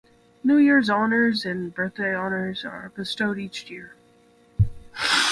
New Year Honours and Birthday Honours are bestowed each year.